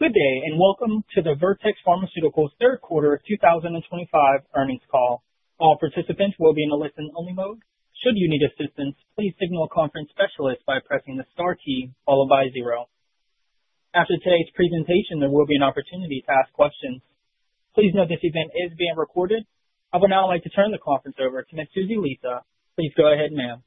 Good day, and welcome to the Vertex Pharmaceuticals' Q3 of 2025 Earnings Call. All participants will be in a listen-only mode. Should you need assistance, please signal a conference specialist by pressing the star key followed by zero. After today's presentation, there will be an opportunity to ask questions. Please note this event is being recorded. I would now like to turn the conference over to Ms. Susie Lisa. Please go ahead, ma'am.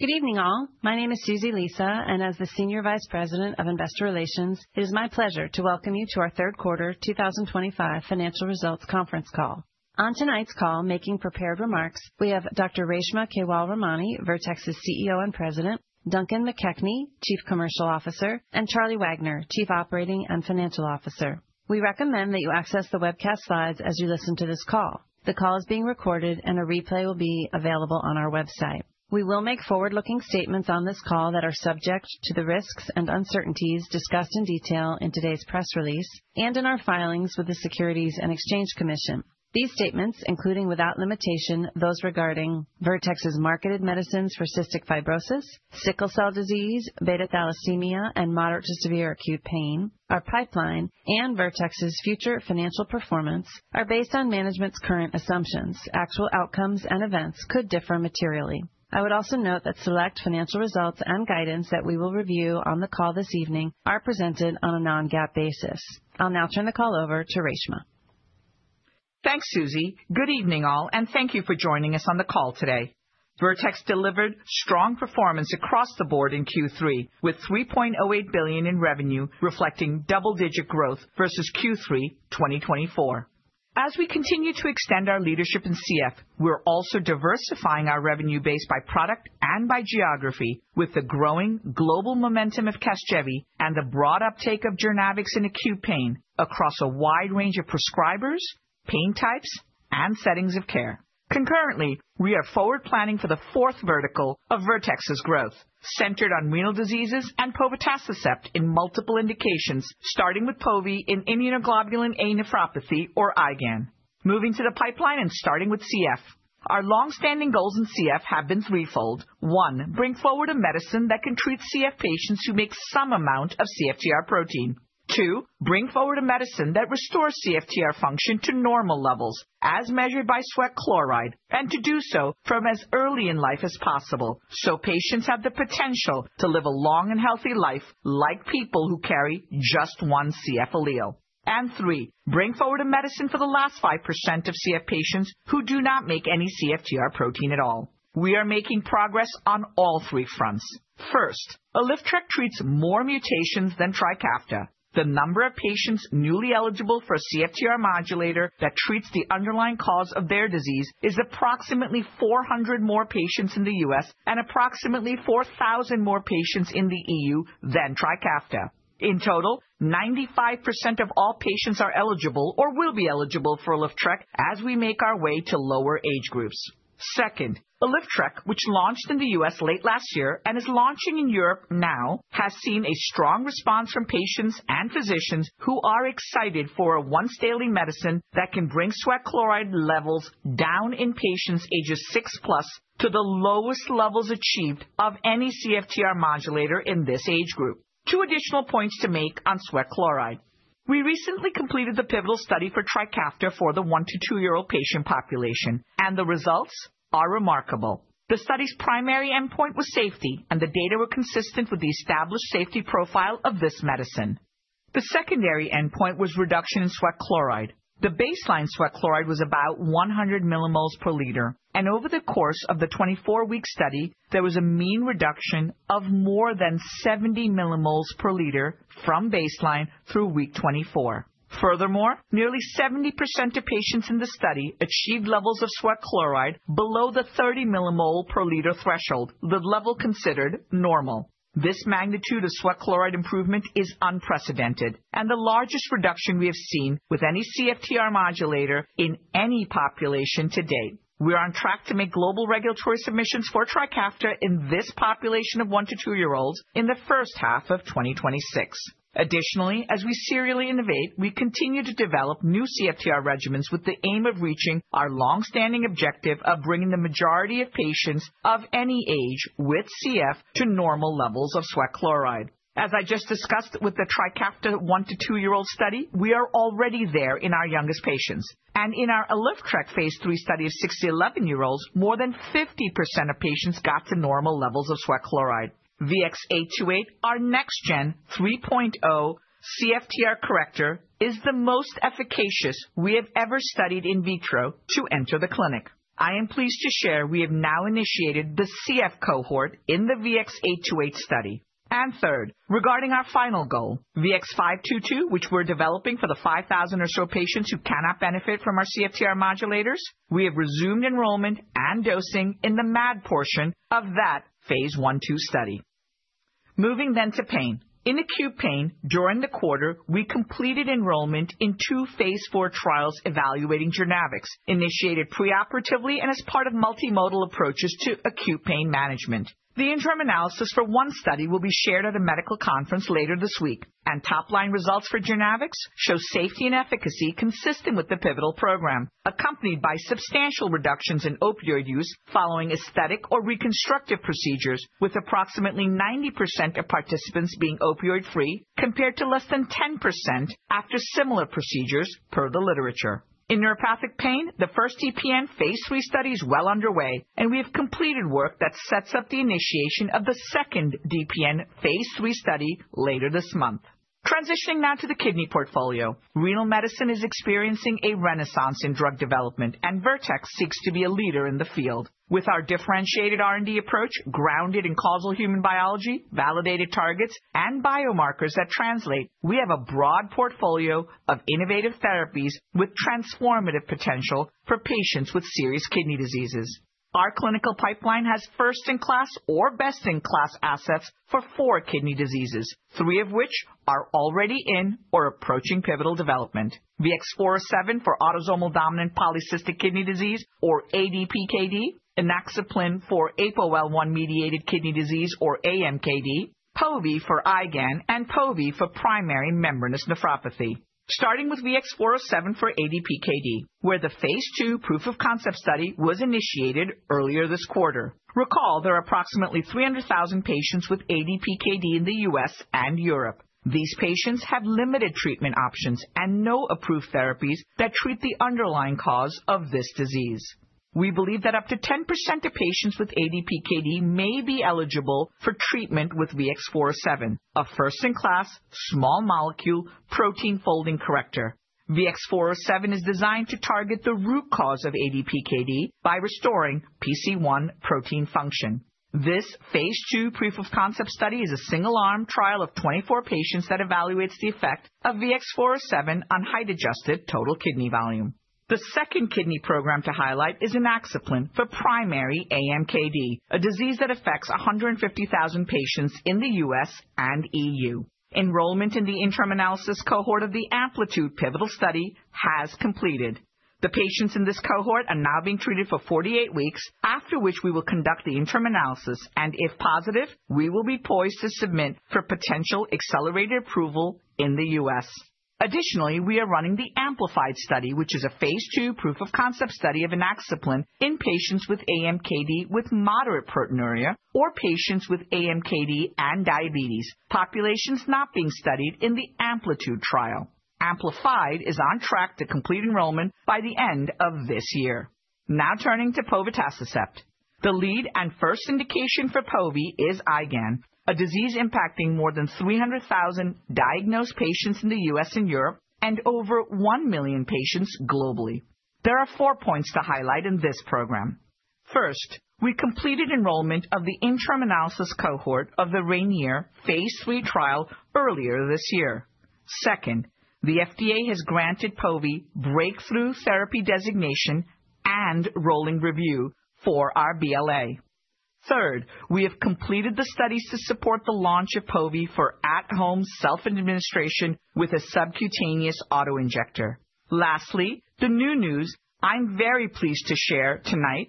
Good evening, all. My name is Susie Lisa, and as the Senior Vice President of Investor Relations, it is my pleasure to welcome you to our Q3 2025 Financial Results Conference Call. On tonight's call, making prepared remarks, we have Dr. Reshma Kewalramani, Vertex's CEO and President, Duncan McKechnie, Chief Commercial Officer, and Charlie Wagner, Chief Operating and Financial Officer. We recommend that you access the webcast slides as you listen to this call. The call is being recorded, and a replay will be available on our website. We will make forward-looking statements on this call that are subject to the risks and uncertainties discussed in detail in today's press release and in our filings with the Securities and Exchange Commission. These statements, including without limitation, those regarding Vertex's marketed medicines for cystic fibrosis, sickle cell disease, beta thalassemia, and moderate to severe acute pain, our pipeline, and Vertex's future financial performance are based on management's current assumptions. Actual outcomes and events could differ materially. I would also note that select financial results and guidance that we will review on the call this evening are presented on a non-GAAP basis. I'll now turn the call over to Reshma. Thanks, Susie. Good evening, all, and thank you for joining us on the call today. Vertex delivered strong performance across the board in Q3, with $3.08 billion in revenue reflecting double-digit growth versus Q3 2024. As we continue to extend our leadership in CF, we're also diversifying our revenue base by product and by geography with the growing global momentum of CASGEVY and the broad uptake of Journavx in acute pain across a wide range of prescribers, pain types, and settings of care. Concurrently, we are forward planning for the fourth vertical of Vertex's growth, centered on renal diseases and povetacicept in multiple indications, starting with Pove in immunoglobulin A nephropathy, or IgAN. Moving to the pipeline and starting with CF, our long-standing goals in CF have been threefold. One, bring forward a medicine that can treat CF patients who make some amount of CFTR protein. Two, bring forward a medicine that restores CFTR function to normal levels, as measured by sweat chloride, and to do so from as early in life as possible so patients have the potential to live a long and healthy life like people who carry just one CF allele. And three, bring forward a medicine for the last 5% of CF patients who do not make any CFTR protein at all. We are making progress on all three fronts. First, ALYFTREK treats more mutations than TRIKAFTA. The number of patients newly eligible for a CFTR modulator that treats the underlying cause of their disease is approximately 400 more patients in the U.S. and approximately 4,000 more patients in the EU than TRIKAFTA. In total, 95% of all patients are eligible or will be eligible for ALYFTREK as we make our way to lower age groups. Second, ALYFTREK, which launched in the U.S. late last year and is launching in Europe now, has seen a strong response from patients and physicians who are excited for a once-daily medicine that can bring sweat chloride levels down in patients ages six plus to the lowest levels achieved of any CFTR modulator in this age group. Two additional points to make on sweat chloride. We recently completed the pivotal study for TRIKAFTA for the one to two-year-old patient population, and the results are remarkable. The study's primary endpoint was safety, and the data were consistent with the established safety profile of this medicine. The secondary endpoint was reduction in sweat chloride. The baseline sweat chloride was about 100 mmol per liter, and over the course of the 24-week study, there was a mean reduction of more than 70 mmol per liter from baseline through week 24. Furthermore, nearly 70% of patients in the study achieved levels of sweat chloride below the 30 mmol per liter threshold, the level considered normal. This magnitude of sweat chloride improvement is unprecedented and the largest reduction we have seen with any CFTR modulator in any population to date. We are on track to make global regulatory submissions for TRIKAFTA in this population of one to two-year-olds in the first half of 2026. Additionally, as we serially innovate, we continue to develop new CFTR regimens with the aim of reaching our long-standing objective of bringing the majority of patients of any age with CF to normal levels of sweat chloride. As I just discussed with the TRIKAFTA one to two-year-old study, we are already there in our youngest patients. In our ALYFTREK phase III study of six to 11-year-olds, more than 50% of patients got to normal levels of sweat chloride. VX-828, our next-gen 3.0 CFTR corrector, is the most efficacious we have ever studied in vitro to enter the clinic. I am pleased to share we have now initiated the CF cohort in the VX-828 study. And third, regarding our final goal, VX-522, which we're developing for the 5,000 or so patients who cannot benefit from our CFTR modulators, we have resumed enrollment and dosing in the MAD portion of that phase I/II study. Moving then to pain. In acute pain, during the quarter, we completed enrollment in two phase IV trials evaluating Journavx, initiated preoperatively and as part of multimodal approaches to acute pain management. The interim analysis for one study will be shared at a medical conference later this week, and top-line results for Journavx show safety and efficacy consistent with the pivotal program, accompanied by substantial reductions in opioid use following aesthetic or reconstructive procedures, with approximately 90% of participants being opioid-free compared to less than 10% after similar procedures, per the literature. In neuropathic pain, the first DPN phase III study is well underway, and we have completed work that sets up the initiation of the second DPN phase III study later this month. Transitioning now to the kidney portfolio. Renal medicine is experiencing a renaissance in drug development, and Vertex seeks to be a leader in the field. With our differentiated R&D approach, grounded in causal human biology, validated targets, and biomarkers that translate, we have a broad portfolio of innovative therapies with transformative potential for patients with serious kidney diseases. Our clinical pipeline has first-in-class or best-in-class assets for four kidney diseases, three of which are already in or approaching pivotal development: VX-407 for autosomal dominant polycystic kidney disease, or ADPKD. Inaxaplin for APOL1-mediated kidney disease, or AMKD. Pove for IgAN. And Pove for primary membranous nephropathy. Starting with VX-407 for ADPKD, where the phase II proof of concept study was initiated earlier this quarter. Recall there are approximately 300,000 patients with ADPKD in the U.S. and Europe. These patients have limited treatment options and no approved therapies that treat the underlying cause of this disease. We believe that up to 10% of patients with ADPKD may be eligible for treatment with VX-407, a first-in-class, small-molecule protein-folding corrector. VX-407 is designed to target the root cause of ADPKD by restoring PC1 protein function. This phase II proof of concept study is a single-arm trial of 24 patients that evaluates the effect of VX-407 on height-adjusted total kidney volume. The second kidney program to highlight is inaxaplin for primary AMKD, a disease that affects 150,000 patients in the U.S. and EU. Enrollment in the interim analysis cohort of the AMPLITUDE pivotal study has completed. The patients in this cohort are now being treated for 48 weeks, after which we will conduct the interim analysis, and if positive, we will be poised to submit for potential accelerated approval in the U.S. Additionally, we are running the AMPLIFIED study, which is a phase II proof of concept study of inaxaplin in patients with AMKD with moderate proteinuria or patients with AMKD and diabetes, populations not being studied in the AMPLITUDE trial. AMPLIFIED is on track to complete enrollment by the end of this year. Now turning to povetacicept. The lead and first indication for Pove is IgAN, a disease impacting more than 300,000 diagnosed patients in the U.S. and Europe and over 1 million patients globally. There are four points to highlight in this program. First, we completed enrollment of the interim analysis cohort of the RAINIER phase III trial earlier this year. Second, the FDA has granted Pove breakthrough therapy designation and rolling review for our BLA. Third, we have completed the studies to support the launch of Pove for at-home self-administration with a subcutaneous autoinjector. Lastly, the new news I'm very pleased to share tonight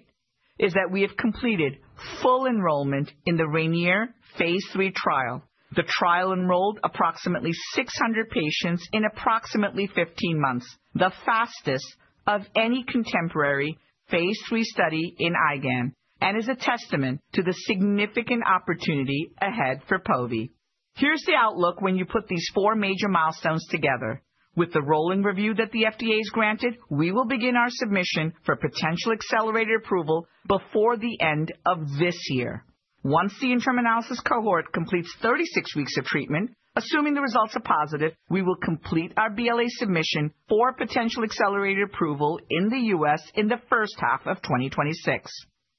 is that we have completed full enrollment in the RAINIER phase III trial. The trial enrolled approximately 600 patients in approximately 15 months, the fastest of any contemporary phase III study in IgAN, and is a testament to the significant opportunity ahead for Pove. Here's the outlook when you put these four major milestones together. With the rolling review that the FDA has granted, we will begin our submission for potential accelerated approval before the end of this year. Once the interim analysis cohort completes 36 weeks of treatment, assuming the results are positive, we will complete our BLA submission for potential accelerated approval in the U.S. in the first half of 2026.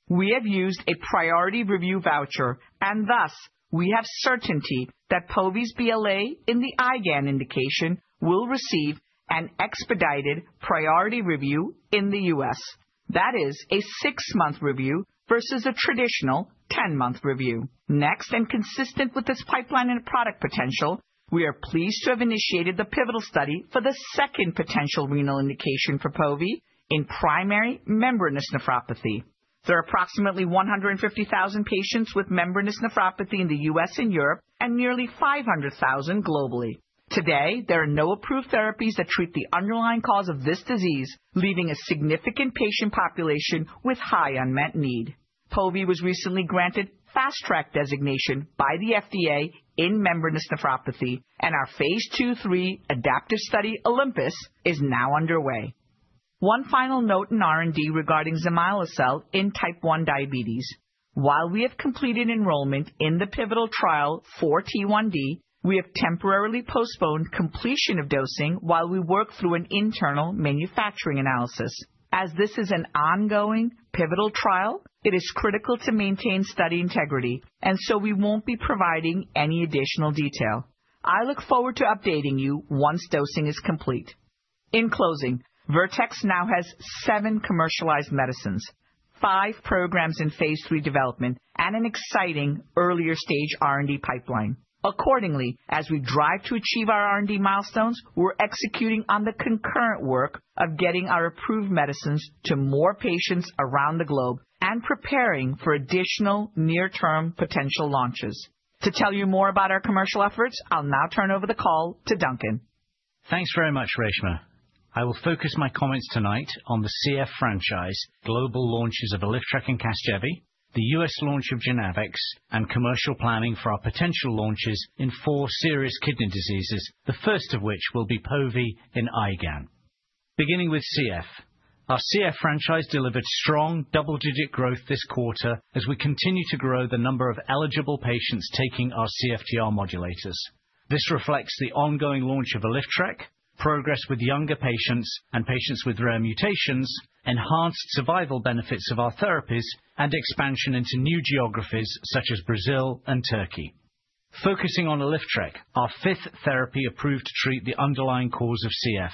We have used a priority review voucher, and thus we have certainty that Pove's BLA in the IgAN indication will receive an expedited priority review in the U.S. That is a six-month review versus a traditional 10-month review. Next, and consistent with this pipeline and product potential, we are pleased to have initiated the pivotal study for the second potential renal indication for Pove in primary membranous nephropathy. There are approximately 150,000 patients with membranous nephropathy in the U.S. and Europe and nearly 500,000 globally. Today, there are no approved therapies that treat the underlying cause of this disease, leaving a significant patient population with high unmet need. Pove was recently granted Fast Track designation by the FDA in membranous nephropathy, and our phase II/III adaptive study OLYMPUS is now underway. One final note in R&D regarding Zimislecel in type 1 diabetes. While we have completed enrollment in the pivotal trial for T1D, we have temporarily postponed completion of dosing while we work through an internal manufacturing analysis. As this is an ongoing pivotal trial, it is critical to maintain study integrity, and so we won't be providing any additional detail. I look forward to updating you once dosing is complete. In closing, Vertex now has seven commercialized medicines, five programs in phase III development, and an exciting earlier stage R&D pipeline. Accordingly, as we drive to achieve our R&D milestones, we're executing on the concurrent work of getting our approved medicines to more patients around the globe and preparing for additional near-term potential launches. To tell you more about our commercial efforts, I'll now turn over the call to Duncan. Thanks very much, Reshma. I will focus my comments tonight on the CF franchise, global launches of ALYFTREK and CASGEVY, the U.S. launch of Journavx, and commercial planning for our potential launches in four serious kidney diseases, the first of which will be Pove in IgAN. Beginning with CF, our CF franchise delivered strong double-digit growth this quarter as we continue to grow the number of eligible patients taking our CFTR modulators. This reflects the ongoing launch of ALYFTREK, progress with younger patients and patients with rare mutations, enhanced survival benefits of our therapies, and expansion into new geographies such as Brazil and Turkey. Focusing on ALYFTREK, our fifth therapy approved to treat the underlying cause of CF.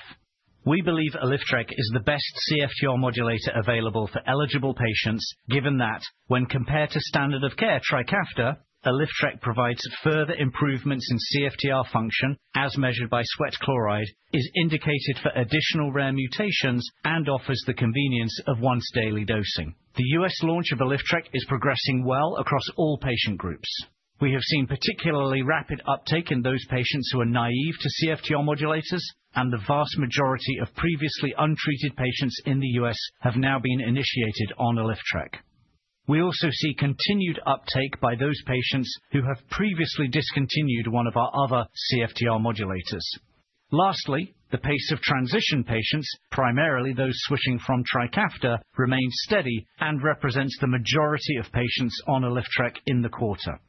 We believe ALYFTREK is the best CFTR modulator available for eligible patients, given that when compared to standard of care TRIKAFTA, ALYFTREK provides further improvements in CFTR function, as measured by sweat chloride, is indicated for additional rare mutations, and offers the convenience of once-daily dosing. The U.S. launch of ALYFTREK is progressing well across all patient groups. We have seen particularly rapid uptake in those patients who are naive to CFTR modulators, and the vast majority of previously untreated patients in the U.S. have now been initiated on ALYFTREK. We also see continued uptake by those patients who have previously discontinued one of our other CFTR modulators. Lastly, the pace of transition patients, primarily those switching from TRIKAFTA, remains steady and represents the majority of patients on ALYFTREK in the quarter.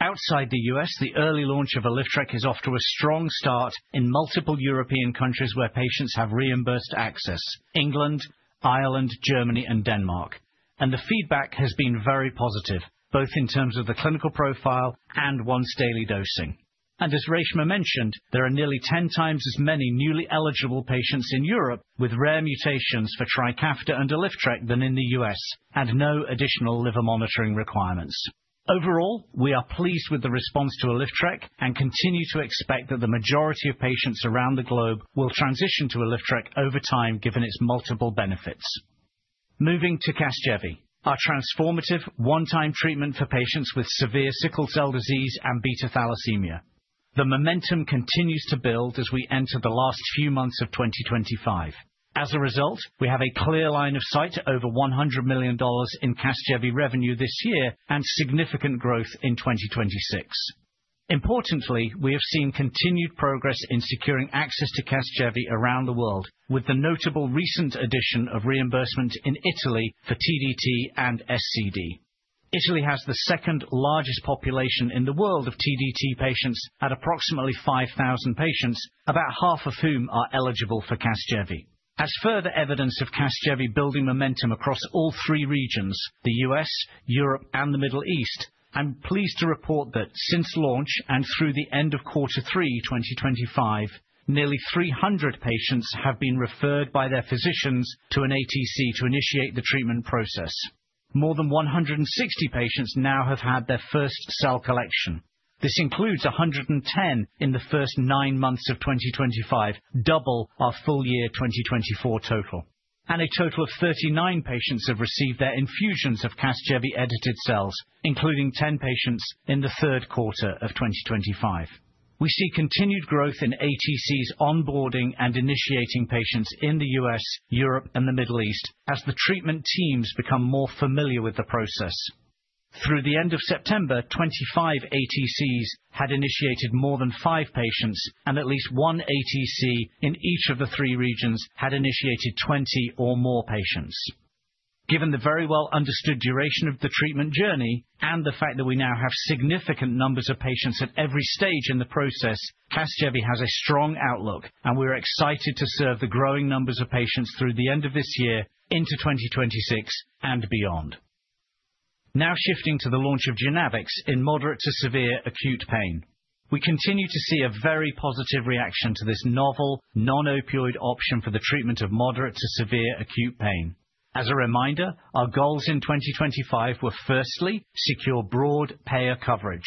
Outside the U.S., the early launch of ALYFTREK is off to a strong start in multiple European countries where patients have reimbursed access: England, Ireland, Germany, and Denmark. And the feedback has been very positive, both in terms of the clinical profile and once-daily dosing. And as Reshma mentioned, there are nearly 10 times as many newly eligible patients in Europe with rare mutations for TRIKAFTA and ALYFTREK than in the U.S., and no additional liver monitoring requirements. Overall, we are pleased with the response to ALYFTREK and continue to expect that the majority of patients around the globe will transition to ALYFTREK over time, given its multiple benefits. Moving to CASGEVY, our transformative one-time treatment for patients with severe sickle cell disease and beta thalassemia. The momentum continues to build as we enter the last few months of 2025. As a result, we have a clear line of sight to over $100 million in CASGEVY revenue this year and significant growth in 2026. Importantly, we have seen continued progress in securing access to CASGEVY around the world, with the notable recent addition of reimbursement in Italy for TDT and SCD. Italy has the second-largest population in the world of TDT patients, at approximately 5,000 patients, about half of whom are eligible for CASGEVY. As further evidence of CASGEVY building momentum across all three regions, the U.S., Europe, and the Middle East, I'm pleased to report that since launch and through the end of Q3 2025, nearly 300 patients have been referred by their physicians to an ATC to initiate the treatment process. More than 160 patients now have had their first cell collection. This includes 110 in the first nine months of 2025, double our full year 2024 total, and a total of 39 patients have received their infusions of CASGEVY-edited cells, including 10 patients in the Q3 of 2025. We see continued growth in ATCs onboarding and initiating patients in the U.S., Europe, and the Middle East as the treatment teams become more familiar with the process. Through the end of September, 25 ATCs had initiated more than five patients, and at least one ATC in each of the three regions had initiated 20 or more patients. Given the very well-understood duration of the treatment journey and the fact that we now have significant numbers of patients at every stage in the process, CASGEVY has a strong outlook, and we are excited to serve the growing numbers of patients through the end of this year, into 2026, and beyond. Now shifting to the launch of Journavx in moderate to severe acute pain. We continue to see a very positive reaction to this novel, non-opioid option for the treatment of moderate to severe acute pain. As a reminder, our goals in 2025 were firstly, secure broad payer coverage.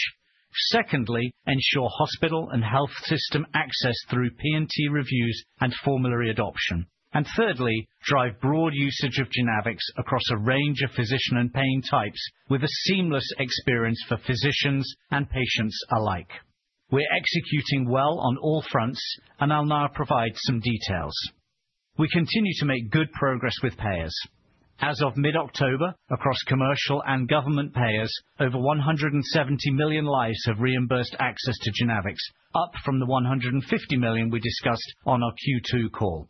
Secondly, ensure hospital and health system access through P&T reviews and formulary adoption. And thirdly, drive broad usage of Journavx across a range of physician and pain types with a seamless experience for physicians and patients alike. We're executing well on all fronts, and I'll now provide some details. We continue to make good progress with payers. As of mid-October, across commercial and government payers, over 170 million lives have reimbursed access t o Journavx, up from the 150 million we discussed on our Q2 call.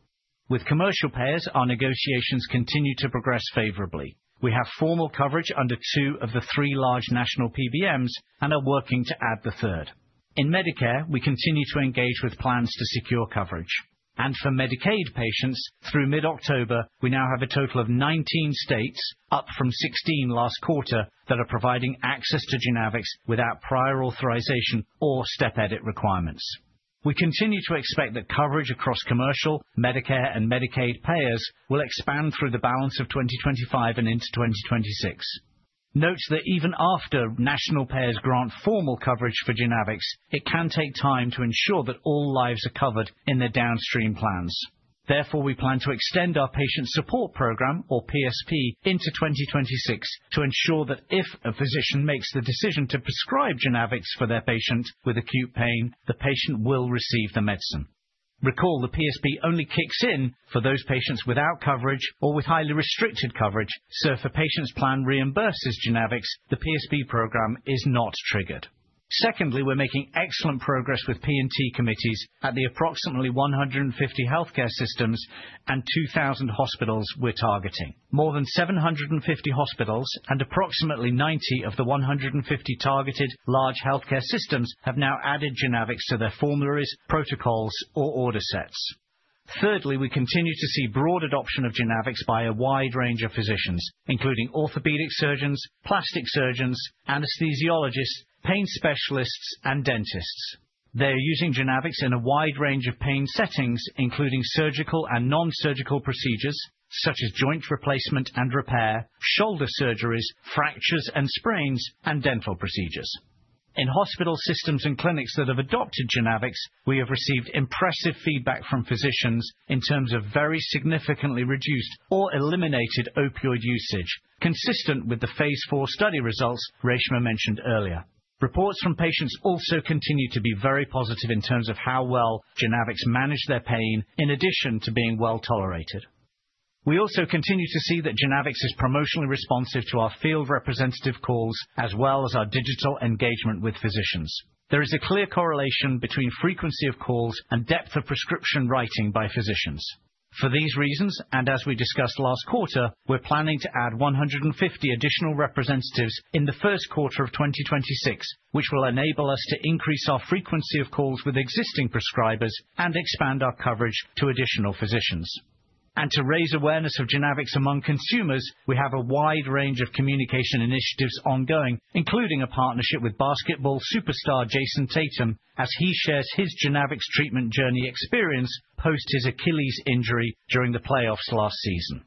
With commercial payers, our negotiations continue to progress favorably. We have formal coverage under two of the three large national PBMs and are working to add the third. In Medicare, we continue to engage with plans to secure coverage. And for Medicaid patients, through mid-October, we now have a total of 19 states, up from 16 last quarter, that are providing access to Journavx without prior authorization or step edit requirements. We continue to expect that coverage across commercial, Medicare, and Medicaid payers will expand through the balance of 2025 and into 2026. Note that even after national payers grant formal coverage for Journavx, it can take time to ensure that all lives are covered in their downstream plans. Therefore, we plan to extend our Patient Support Program, or PSP, into 2026 to ensure that if a physician makes the decision to prescribe Journavx for their patient with acute pain, the patient will receive the medicine. Recall, the PSP only kicks in for those patients without coverage or with highly restricted coverage, so if a patient's plan reimburses Journavx, the PSP program is not triggered. Secondly, we're making excellent progress with P&T committees at the approximately 150 healthcare systems and 2,000 hospitals we're targeting. More than 750 hospitals and approximately 90 of the 150 targeted large healthcare systems have now added Journavx to their formularies, protocols, or order sets. Thirdly, we continue to see broad adoption of Journavx by a wide range of physicians, including orthopedic surgeons, plastic surgeons, anesthesiologists, pain specialists, and dentists. They are using Journavx in a wide range of pain settings, including surgical and non-surgical procedures such as joint replacement and repair, shoulder surgeries, fractures and sprains, and dental procedures. In hospital systems and clinics that have adopted Journavx, we have received impressive feedback from physicians in terms of very significantly reduced or eliminated opioid usage, consistent with the phase IV study results Reshma mentioned earlier. Reports from patients also continue to be very positive in terms of how well Journavx managed their pain, in addition to being well tolerated. We also continue to see that Journavx is promotionally responsive to our field representative calls, as well as our digital engagement with physicians. There is a clear correlation between frequency of calls and depth of prescription writing by physicians. For these reasons, and as we discussed last quarter, we're planning to add 150 additional representatives in the Q1 of 2026, which will enable us to increase our frequency of calls with existing prescribers and expand our coverage to additional physicians, and to raise awareness of Journavx among consumers, we have a wide range of communication initiatives ongoing, including a partnership with basketball superstar Jayson Tatum, as he shares his Journavx treatment journey experience post his Achilles injury during the playoffs last season.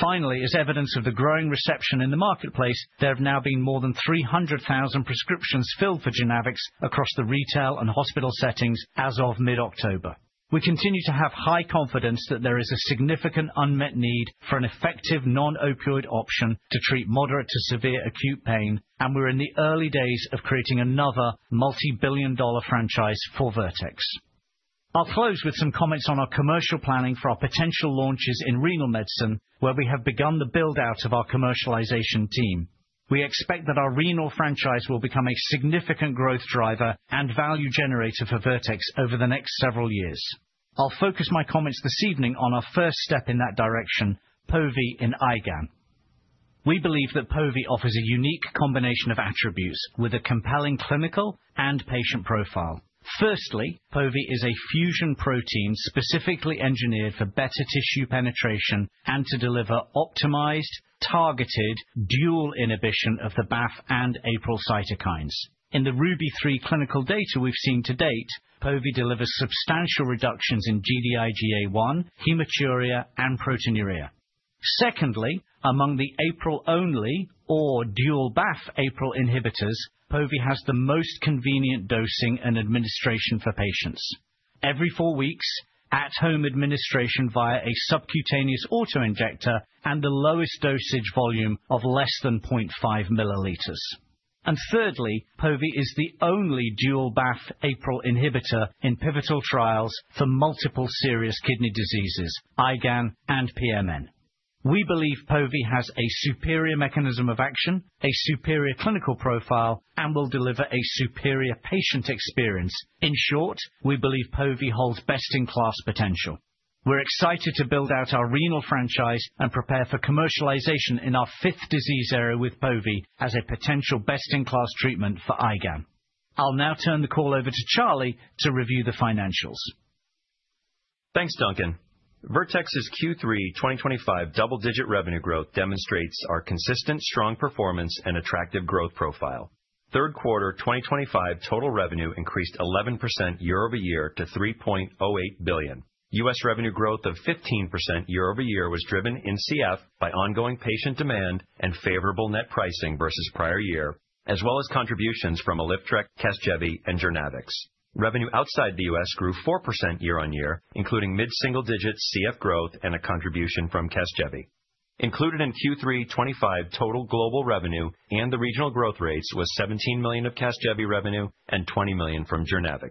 Finally, as evidence of the growing reception in the marketplace, there have now been more than 300,000 prescriptions filled for Journavx across the retail and hospital settings as of mid-October. We continue to have high confidence that there is a significant unmet need for an effective non-opioid option to treat moderate to severe acute pain, and we're in the early days of creating another multi-billion dollar franchise for Vertex. I'll close with some comments on our commercial planning for our potential launches in renal medicine, where we have begun the build-out of our commercialization team. We expect that our renal franchise will become a significant growth driver and value generator for Vertex over the next several years. I'll focus my comments this evening on our first step in that direction, Pove in IgAN. We believe that Pove offers a unique combination of attributes with a compelling clinical and patient profile. Firstly, Pove is a fusion protein specifically engineered for better tissue penetration and to deliver optimized, targeted dual inhibition of the BAFF and APRIL cytokines. In the RUBY-3 clinical data we've seen to date, Pove delivers substantial reductions in Gd-IgA1, hematuria, and proteinuria. Secondly, among the APRIL-only or dual BAFF/APRIL inhibitors, Pove has the most convenient dosing and administration for patients. Every four weeks, at-home administration via a subcutaneous autoinjector and the lowest dosage volume of less than 0.5mL. Thirdly, Pove is the only dual BAFF/APRIL inhibitor in pivotal trials for multiple serious kidney diseases, IgAN and PMN. We believe Pove has a superior mechanism of action, a superior clinical profile, and will deliver a superior patient experience. In short, we believe Pove holds best-in-class potential. We're excited to build out our renal franchise and prepare for commercialization in our fifth disease area with Pove as a potential best-in-class treatment for IgAN. I'll now turn the call over to Charlie to review the financials. Thanks, Duncan. Vertex's Q3 2025 double-digit revenue growth demonstrates our consistent, strong performance and attractive growth profile. Q3 2025 total revenue increased 11% year-over-year to $3.08 billion. U.S. revenue growth of 15% year-over-year was driven in CF by ongoing patient demand and favorable net pricing versus prior year, as well as contributions from ALYFTREK, CASGEVY, and Journavx. Revenue outside the U.S. grew 4% year-on-year, including mid-single-digit CF growth and a contribution from CASGEVY. Included in Q3 2025 total global revenue and the regional growth rates was $17 million of CASGEVY revenue and $20 million from Journavx.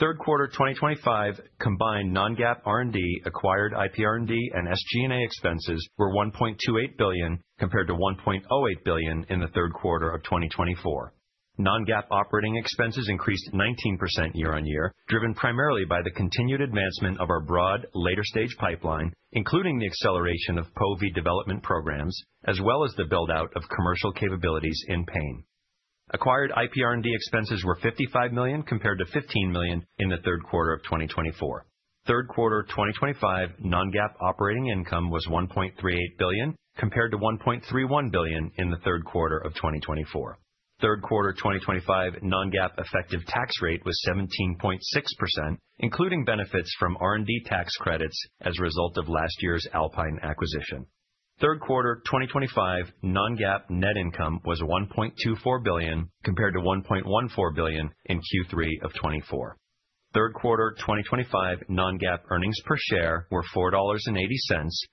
Q3 2025 combined non-GAAP R&D, acquired IP R&D, and SG&A expenses were $1.28 billion, compared to $1.08 billion in the Q3 of 2024. Non-GAAP operating expenses increased 19% year-on-year, driven primarily by the continued advancement of our broad later-stage pipeline, including the acceleration of Pove development programs, as well as the build-out of commercial capabilities in pain. Acquired IP R&D expenses were $55 million, compared to $15 million in the Q3 of 2024. Q3 2025 non-GAAP operating income was $1.38 billion, compared to $1.31 billion in the Q3 of 2024. Q3 2025 non-GAAP effective tax rate was 17.6%, including benefits from R&D tax credits as a result of last year's Alpine acquisition. Q3 2025 non-GAAP net income was $1.24 billion, compared to $1.14 billion in Q3 of 2024. Q3 2025 non-GAAP earnings per share were $4.80,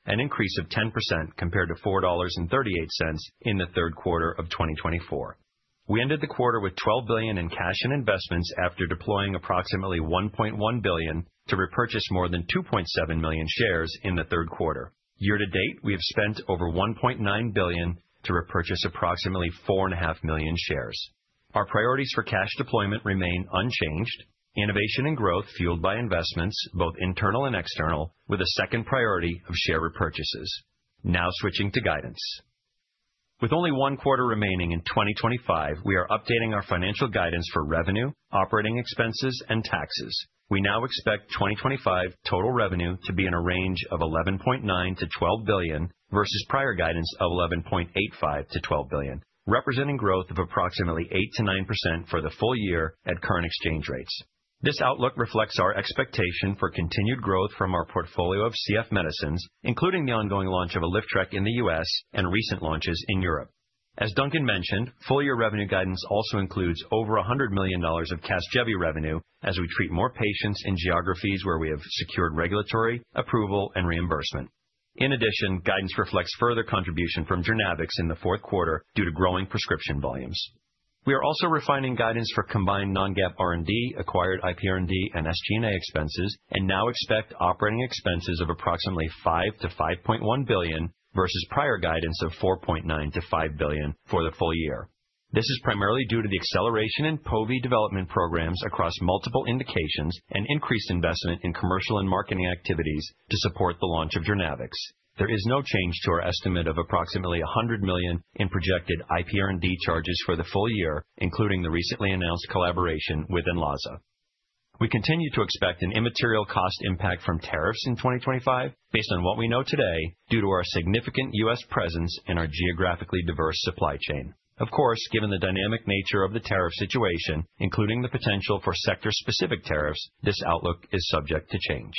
an increase of 10% compared to $4.38 in the Q3 of 2024. We ended the quarter with $12 billion in cash and investments after deploying approximately $1.1 billion to repurchase more than 2.7 million shares in the Q3. Year to date, we have spent over $1.9 billion to repurchase approximately 4.5 million shares. Our priorities for cash deployment remain unchanged. Innovation and growth fueled by investments, both internal and external, with a second priority of share repurchases. Now switching to guidance. With only one quarter remaining in 2025, we are updating our financial guidance for revenue, operating expenses, and taxes. We now expect 2025 total revenue to be in a range of $11.9 to 12 billion versus prior guidance of $11.85 to 12 billion, representing growth of approximately 8% to 9% for the full year at current exchange rates. This outlook reflects our expectation for continued growth from our portfolio of CF medicines, including the ongoing launch of ALYFTREK in the U.S. and recent launches in Europe. As Duncan mentioned, full-year revenue guidance also includes over $100 million of CASGEVY revenue as we treat more patients in geographies where we have secured regulatory approval and reimbursement. In addition, guidance reflects further contribution from Journavx in the Q4 due to growing prescription volumes. We are also refining guidance for combined non-GAAP R&D, acquired IP R&D, and SG&A expenses, and now expect operating expenses of approximately $5 to 5.1 billion versus prior guidance of $4.9 to 5 billion for the full year. This is primarily due to the acceleration in Pove development programs across multiple indications and increased investment in commercial and marketing activities to support the launch of Journavx. There is no change to our estimate of approximately $100 million in projected IP R&D charges for the full year, including the recently announced collaboration with Enlaza. We continue to expect an immaterial cost impact from tariffs in 2025, based on what we know today, due to our significant U.S. presence and our geographically diverse supply chain. Of course, given the dynamic nature of the tariff situation, including the potential for sector-specific tariffs, this outlook is subject to change.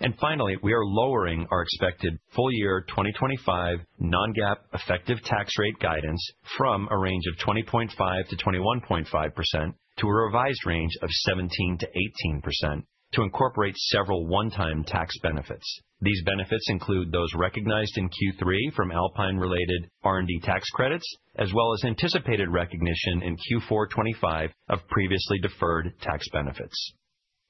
And finally, we are lowering our expected full-year 2025 non-GAAP effective tax rate guidance from a range of 20.5% to 21.5% to a revised range of 17% to 18% to incorporate several one-time tax benefits. These benefits include those recognized in Q3 from Alpine-related R&D tax credits, as well as anticipated recognition in Q4 2025 of previously deferred tax benefits.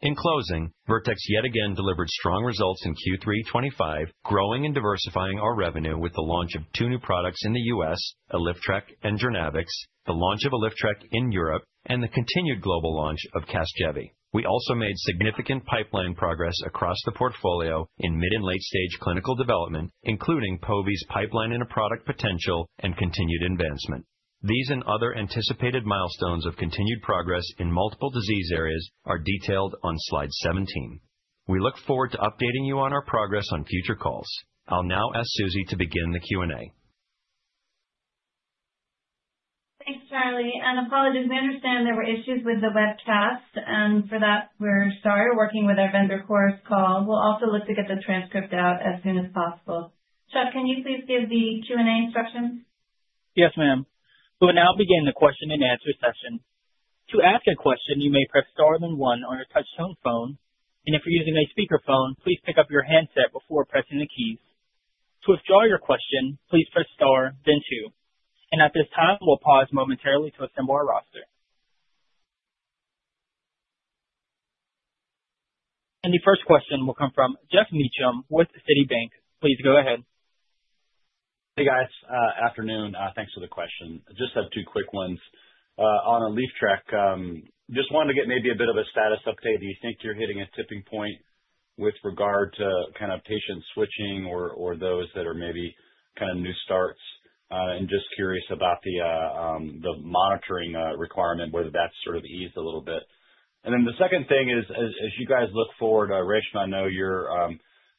In closing, Vertex yet again delivered strong results in Q3 2025, growing and diversifying our revenue with the launch of two new products in the U.S., ALYFTREK and Journavx, the launch of ALYFTREK in Europe, and the continued global launch of CASGEVY. We also made significant pipeline progress across the portfolio in mid and late-stage clinical development, including Pove's pipeline and product potential and continued advancement. These and other anticipated milestones of continued progress in multiple disease areas are detailed on slide 17. We look forward to updating you on our progress on future calls. I'll now ask Susie to begin the Q&A. Thanks, Charlie, and apologies, we understand there were issues with the webcast, and for that, we're sorry. We're working with our vendor for this call. We'll also look to get the transcript out as soon as possible. Chuck, can you please give the Q&A instructions? Yes, ma'am. We will now begin the question-and-answer session. To ask a question, you may press star then one on your touch-tone phone, and if you're using a speakerphone, please pick up your handset before pressing the keys. To withdraw your question, please press star, then two. And at this time, we'll pause momentarily to assemble our roster. And the first question will come from Geoff Meacham with Citibank. Please go ahead. Hey, guys. Afternoon. Thanks for the question. Just have two quick ones. On ALYFTREK, just wanted to get maybe a bit of a status update. Do you think you're hitting a tipping point with regard to kind of patient switching or those that are maybe kind of new starts? And just curious about the monitoring requirement, whether that's sort of eased a little bit. And then the second thing is, as you guys look forward, Reshma, I know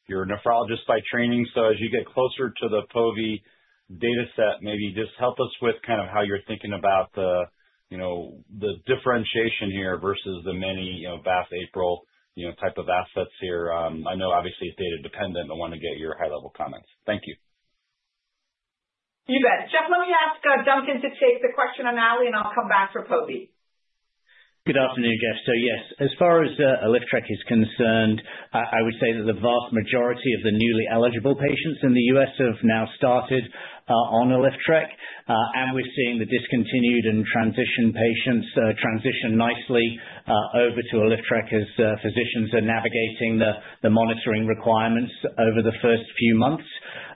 you're a nephrologist by training, so as you get closer to the Pove data set, maybe just help us with kind of how you're thinking about the differentiation here versus the many BAFF/APRIL type of assets here. I know, obviously, it's data-dependent. I want to get your high-level comments. Thank you. You bet. Geoff, let me ask Duncan to take the question on ALYFTREK, and I'll come back for Pove. Good afternoon, Geoff. So yes, as far as ALYFTREK is concerned, I would say that the vast majority of the newly eligible patients in the U.S. have now started on ALYFTREK, and we're seeing the discontinued and transition patients transition nicely over to ALYFTREK as physicians are navigating the monitoring requirements over the first few months.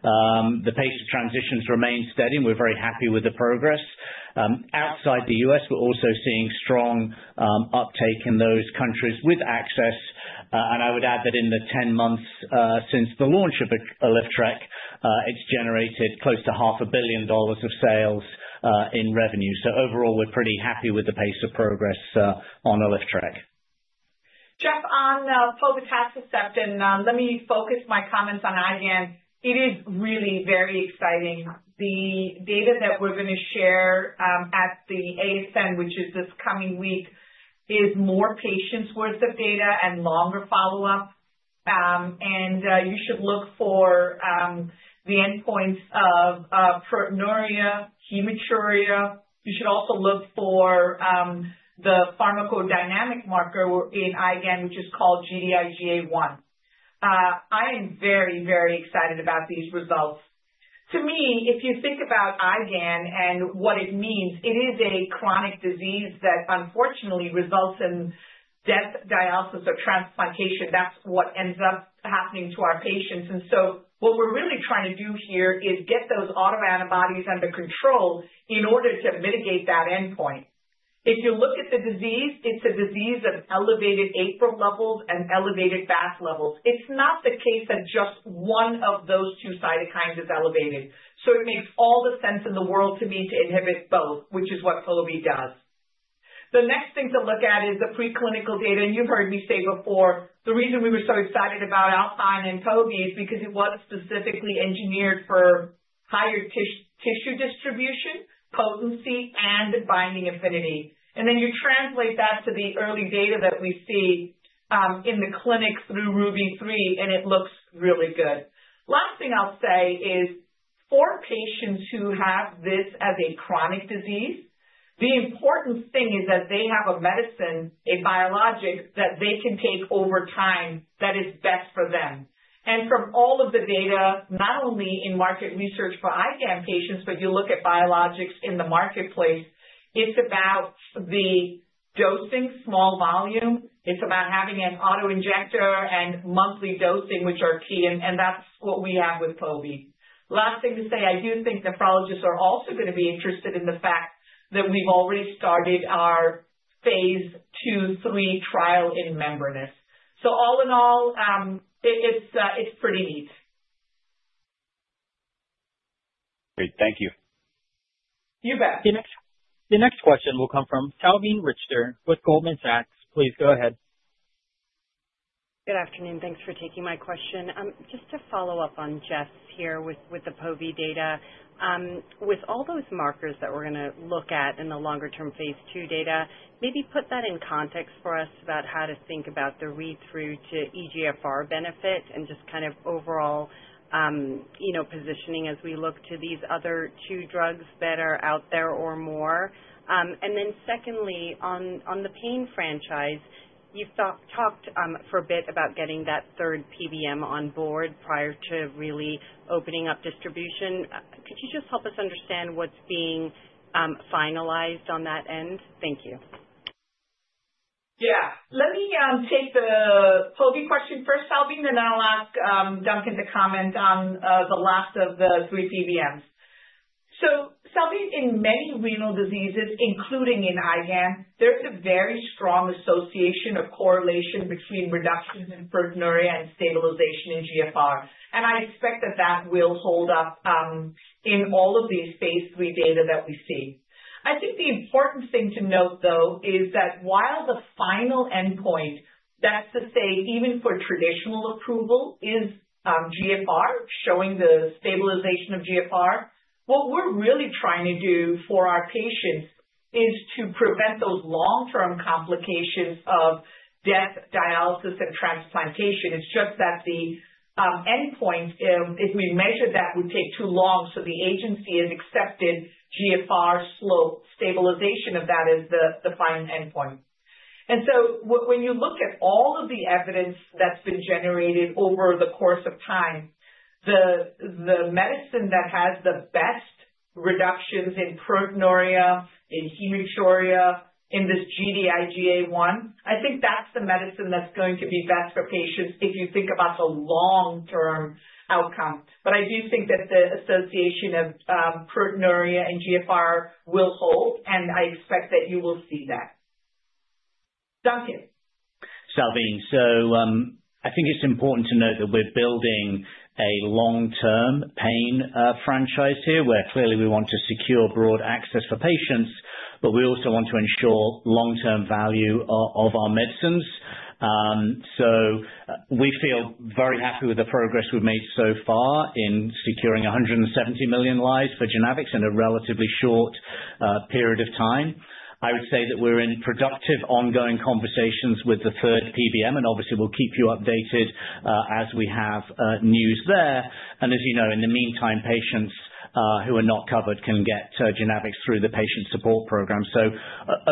The patient transitions remain steady, and we're very happy with the progress. Outside the U.S., we're also seeing strong uptake in those countries with access. And I would add that in the 10 months since the launch of ALYFTREK, it's generated close to $500 million of sales in revenue. So overall, we're pretty happy with the pace of progress on ALYFTREK. Geoff, on povetacicept acceptance, let me focus my comments on IgAN. It is really very exciting. The data that we're going to share at the ASN, which is this coming week, is more patients' worth of data and longer follow-up. And you should look for the endpoints of proteinuria, hematuria. You should also look for the pharmacodynamic marker in IgAN, which is called Gd-IgA1. I am very, very excited about these results. To me, if you think about IgAN and what it means, it is a chronic disease that unfortunately results in death, dialysis, or transplantation. That's what ends up happening to our patients. And so what we're really trying to do here is get those autoantibodies under control in order to mitigate that endpoint. If you look at the disease, it's a disease of elevated APRIL levels and elevated BAFF levels. It's not the case that just one of those two cytokines is elevated. So it makes all the sense in the world to me to inhibit both, which is what Pove does. The next thing to look at is the preclinical data. And you've heard me say before, the reason we were so excited about Alpine and Pove is because it was specifically engineered for higher tissue distribution, potency, and binding affinity. And then you translate that to the early data that we see in the clinic through Ruby-3, and it looks really good. Last thing I'll say is for patients who have this as a chronic disease, the important thing is that they have a medicine, a biologic that they can take over time that is best for them. And from all of the data, not only in market research for IgAN patients, but you look at biologics in the marketplace, it's about the dosing, small volume. It's about having an autoinjector and monthly dosing, which are key, and that's what we have with Pove. Last thing to say, I do think nephrologists are also going to be interested in the fact that we've already started our phase II, III trial in membranous. So all in all, it's pretty neat. Great. Thank you. You bet. The next question will come from Salveen Richter with Goldman Sachs. Please go ahead. Good afternoon. Thanks for taking my question. Just to follow up on Geoff's here with the Pove data. With all those markers that we're going to look at in the longer-term phase 2 data, maybe put that in context for us about how to think about the read-through to eGFR benefit and just kind of overall positioning as we look to these other two drugs that are out there or more. And then secondly, on the pain franchise, you've talked for a bit about getting that third PBM on board prior to really opening up distribution. Could you just help us understand what's being finalized on that end? Thank you. Yeah. Let me take the Pove question first, Salveen, and then I'll ask Duncan to comment on the last of the three PBMs. So Salveen, in many renal diseases, including in IgAN, there is a very strong association of correlation between reduction in proteinuria and stabilization in GFR. And I expect that that will hold up in all of these phase III data that we see. I think the important thing to note, though, is that while the final endpoint, that's to say even for traditional approval, is GFR showing the stabilization of GFR, what we're really trying to do for our patients is to prevent those long-term complications of death, dialysis, and transplantation. It's just that the endpoint, if we measure that, would take too long. So the agency has accepted GFR slope stabilization of that as the final endpoint. And so when you look at all of the evidence that's been generated over the course of time, the medicine that has the best reductions in proteinuria, in hematuria, in this Gd-IgA1, I think that's the medicine that's going to be best for patients if you think about the long-term outcome. But I do think that the association of proteinuria and GFR will hold, and I expect that you will see that. Duncan. Salveen. So I think it's important to note that we're building a long-term pain franchise here where clearly we want to secure broad access for patients, but we also want to ensure long-term value of our medicines. So we feel very happy with the progress we've made so far in securing 170 million lives for Journavx in a relatively short period of time. I would say that we're in productive ongoing conversations with the third PBM, and obviously, we'll keep you updated as we have news there, and as you know, in the meantime, patients who are not covered can get Journavx through the patient support program, so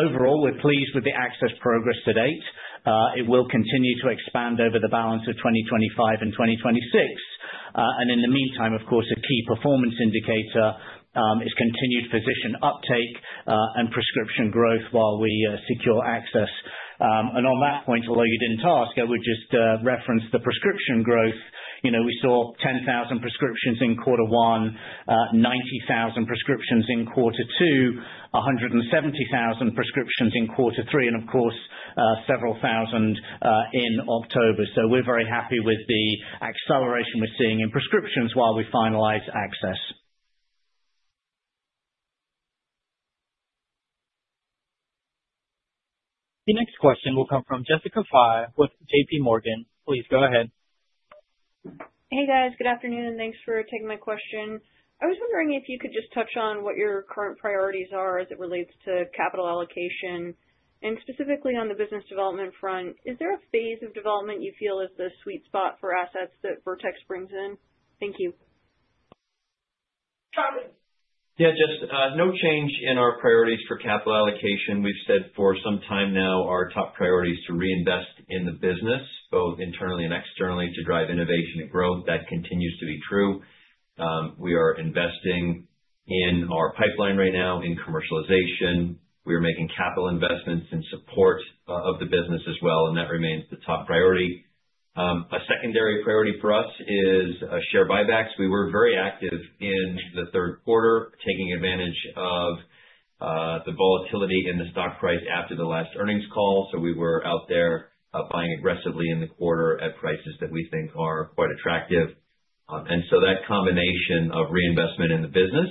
overall, we're pleased with the access progress to date. It will continue to expand over the balance of 2025 and 2026, and in the meantime, of course, a key performance indicator is continued physician uptake and prescription growth while we secure access, and on that point, although you didn't ask, I would just reference the prescription growth. We saw 10,000 prescriptions in Q1, 90,000 prescriptions in Q2, 170,000 prescriptions in Q3, and of course, several thousand in October, so we're very happy with the acceleration we're seeing in prescriptions while we finalize access. The next question will come from Jessica Fye with J.P. Morgan. Please go ahead. Hey, guys. Good afternoon. Thanks for taking my question. I was wondering if you could just touch on what your current priorities are as it relates to capital allocation and specifically on the business development front. Is there a phase of development you feel is the sweet spot for assets that Vertex brings in? Thank you. Charlie. Yeah. Just no change in our priorities for capital allocation. We've said for some time now our top priority is to reinvest in the business, both internally and externally, to drive innovation and growth. That continues to be true. We are investing in our pipeline right now in commercialization. We are making capital investments in support of the business as well, and that remains the top priority. A secondary priority for us is share buybacks. We were very active in the Q3, taking advantage of the volatility in the stock price after the last earnings call. So we were out there buying aggressively in the quarter at prices that we think are quite attractive. And so that combination of reinvestment in the business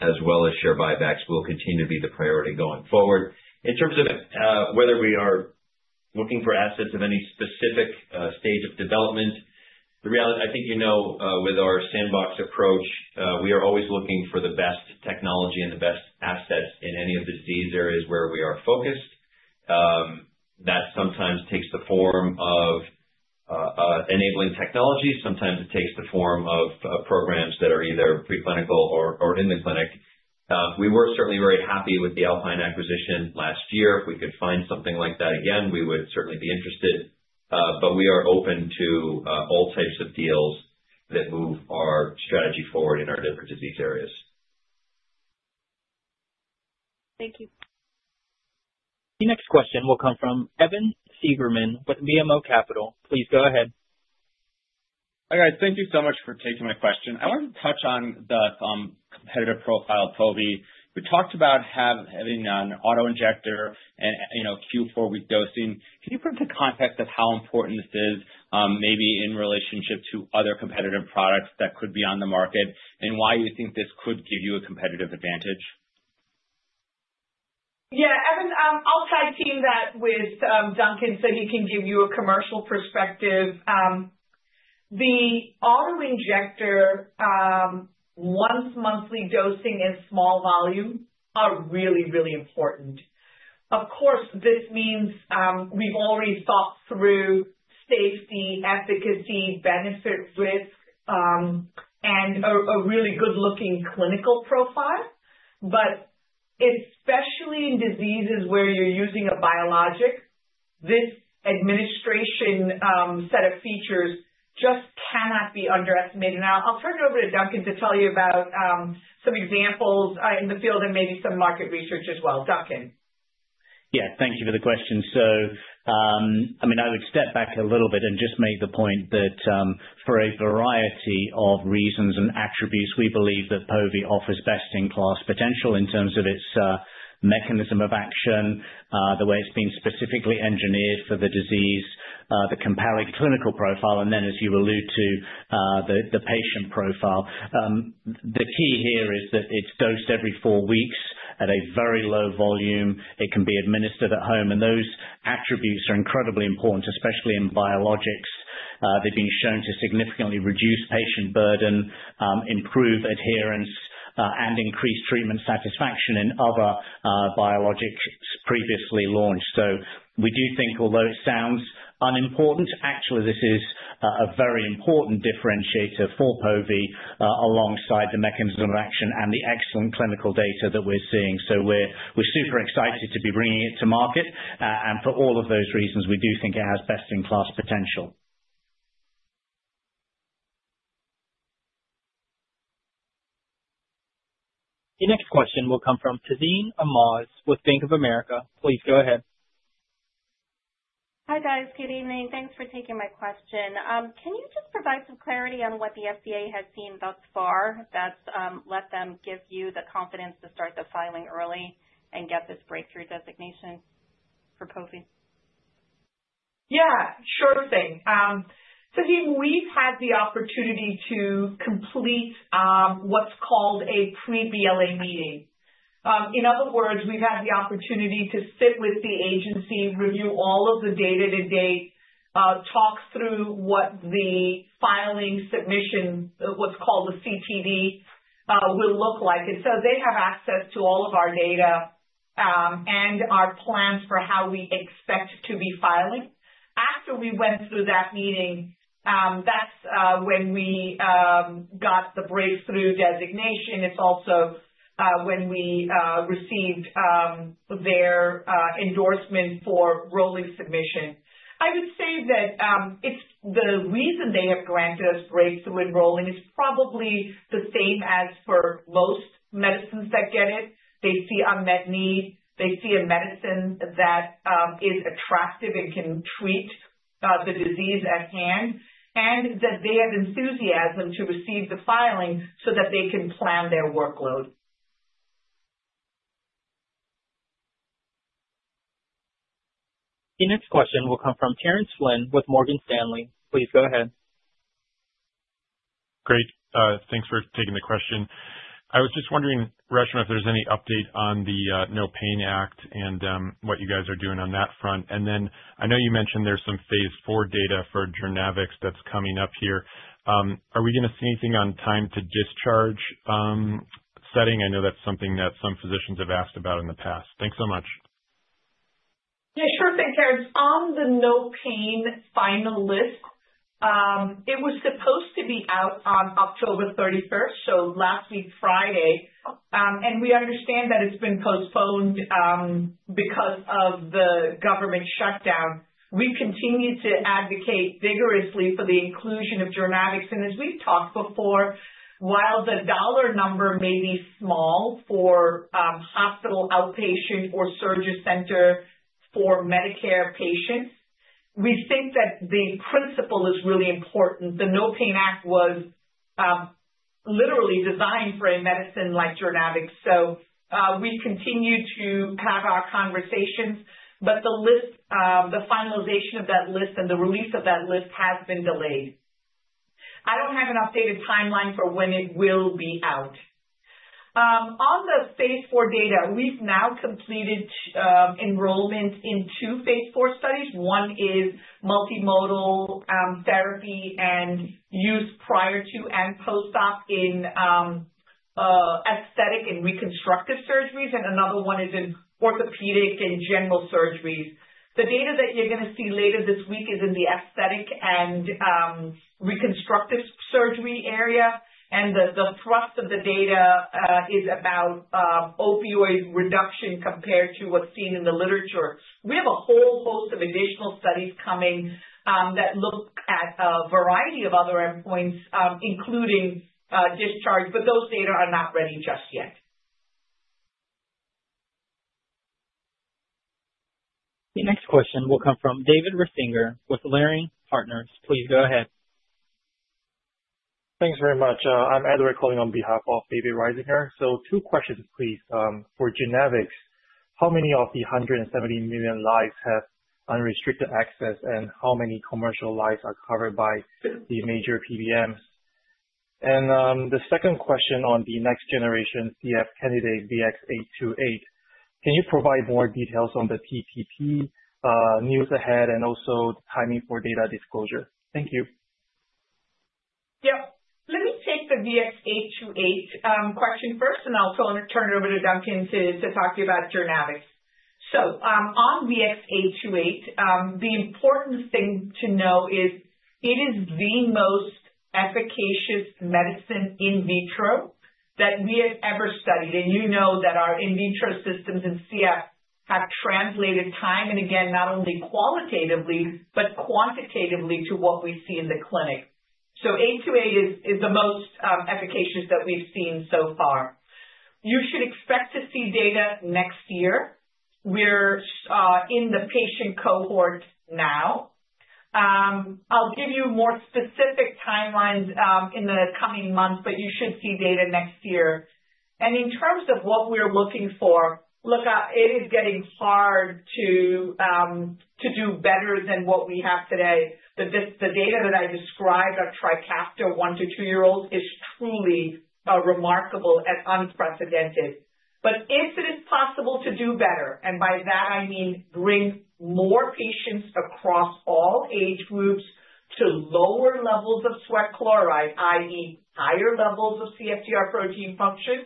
as well as share buybacks will continue to be the priority going forward. In terms of whether we are looking for assets of any specific stage of development, I think you know with our sandbox approach, we are always looking for the best technology and the best assets in any of the disease areas where we are focused. That sometimes takes the form of enabling technology. Sometimes it takes the form of programs that are either preclinical or in the clinic. We were certainly very happy with the Alpine acquisition last year. If we could find something like that again, we would certainly be interested. But we are open to all types of deals that move our strategy forward in our different disease areas. Thank you. The next question will come from Evan Seigerman with BMO Capital. Please go ahead. Hi, guys. Thank you so much for taking my question. I wanted to touch on the competitive profile of Pove. We talked about having an autoinjector and Q4 week dosing. Can you put into context of how important this is, maybe in relationship to other competitive products that could be on the market, and why you think this could give you a competitive advantage? Yeah. Evan, I'll tag team that with Duncan so he can give you a commercial perspective. The autoinjector once-monthly dosing in small volume are really, really important. Of course, this means we've already thought through safety, efficacy, benefit, risk, and a really good-looking clinical profile. But especially in diseases where you're using a biologic, this administration set of features just cannot be underestimated, and I'll turn it over to Duncan to tell you about some examples in the field and maybe some market research as well. Duncan. Yeah, thank you for the question, so I mean, I would step back a little bit and just make the point that for a variety of reasons and attributes, we believe that Pove offers best-in-class potential in terms of its mechanism of action, the way it's been specifically engineered for the disease, the compelling clinical profile, and then, as you allude to, the patient profile. The key here is that it's dosed every four weeks at a very low volume. It can be administered at home. Those attributes are incredibly important, especially in biologics. They've been shown to significantly reduce patient burden, improve adherence, and increase treatment satisfaction in other biologics previously launched. So we do think, although it sounds unimportant, actually, this is a very important differentiator for Pove alongside the mechanism of action and the excellent clinical data that we're seeing. So we're super excited to be bringing it to market. And for all of those reasons, we do think it has best-in-class potential. The next question will come from Tazeen Ahmad with Bank of America. Please go ahead. Hi, guys. Good evening. Thanks for taking my question. Can you just provide some clarity on what the FDA has seen thus far that's let them give you the confidence to start the filing early and get this breakthrough designation for Pove? Yeah. Sure thing. Tazeen, we've had the opportunity to complete what's called a pre-BLA meeting. In other words, we've had the opportunity to sit with the agency, review all of the data to date, talk through what the filing submission, what's called the CTD, will look like. And so they have access to all of our data and our plans for how we expect to be filing. After we went through that meeting, that's when we got the breakthrough designation. It's also when we received their endorsement for rolling submission. I would say that the reason they have granted us breakthrough designation is probably the same as for most medicines that get it. They see unmet need. They see a medicine that is attractive and can treat the disease at hand, and that they have enthusiasm to receive the filing so that they can plan their workload. The next question will come from Terence Flynn with Morgan Stanley. Please go ahead. Great. Thanks for taking the question. I was just wondering, Reshma, if there's any update on the NOPAIN Act and what you guys are doing on that front. And then I know you mentioned there's some phase IV data for Journavx that's coming up here. Are we going to see anything on time to discharge setting? I know that's something that some physicians have asked about in the past. Thanks so much. Yeah. Sure thing, Terrence. On the NOPAIN final list, it was supposed to be out on 31 October 2025, so last week Friday. And we understand that it's been postponed because of the government shutdown. We continue to advocate vigorously for the inclusion of Journavx. As we've talked before, while the dollar number may be small for hospital, outpatient, or surgery center for Medicare patients, we think that the principle is really important. The NOPAIN Act was literally designed for a medicine like Journavx. So we continue to have our conversations, but the finalization of that list and the release of that list has been delayed. I don't have an updated timeline for when it will be out. On the phase IV data, we've now completed enrollment in two phase IV studies. One is multimodal therapy and use prior to and post-op in aesthetic and reconstructive surgeries, and another one is in orthopedic and general surgeries. The data that you're going to see later this week is in the aesthetic and reconstructive surgery area. And the thrust of the data is about opioid reduction compared to what's seen in the literature. We have a whole host of additional studies coming that look at a variety of other endpoints, including discharge, but those data are not ready just yet. The next question will come from David Risinger with Leerink Partners. Please go ahead. Thanks very much. I'm Edward calling on behalf of David Risinger. So two questions, please. For Journavx, how many of the 170 million lives have unrestricted access, and how many commercial lives are covered by the major PBMs? And the second question on the next generation CF candidate VX-828. Can you provide more details on the phase II POC news ahead and also timing for data disclosure? Thank you. Yeah. Let me take the VX-828 question first, and I'll turn it over to Duncan to talk to you about Journavx. So on VX-828, the important thing to know is it is the most efficacious medicine in vitro that we have ever studied. And you know that our in vitro systems in CF have translated time and again, not only qualitatively but quantitatively to what we see in the clinic. So 828 is the most efficacious that we've seen so far. You should expect to see data next year. We're in the patient cohort now. I'll give you more specific timelines in the coming months, but you should see data next year. And in terms of what we're looking for, look, it is getting hard to do better than what we have today. The data that I described of TRIKAFTA, one to two-year-olds, is truly remarkable and unprecedented. But if it is possible to do better, and by that I mean bring more patients across all age groups to lower levels of sweat chloride, i.e., higher levels of CFTR protein function,